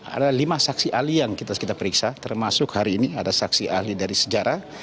ada lima saksi ahli yang kita periksa termasuk hari ini ada saksi ahli dari sejarah